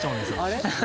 あれ？